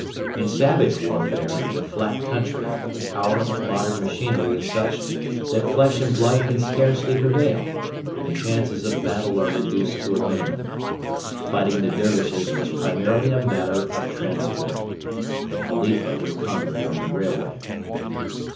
In savage warfare in a flat country the power of modern machinery is such that flesh and blood can scarcely prevail, and the chances of battle are reduced to a minimum. Fighting the Dervishes was primarily a matter of transport. The Khalifa was conquered on the railway.